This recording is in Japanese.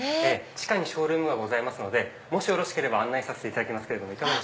地下にショールームがございますのでもしよろしければ案内させていただきます。